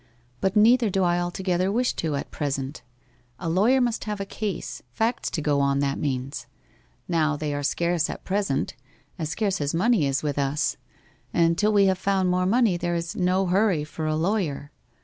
But neither do I altogether wish to at present a lawyer must have a case facts to go upon, that means. Now they are scarce at present as scarce as money is with us, and till we have found more money there is no hurry for a lawyer.